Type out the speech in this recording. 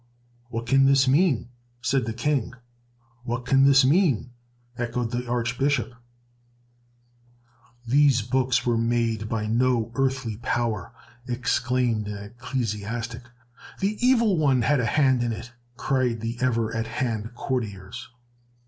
"What can this mean?" said the King. "What can this mean?" echoed the Archbishop. "These books were made by no earthly power!" exclaimed an ecclesiastic. "The Evil One had a hand in it!" cried the ever at hand courtiers.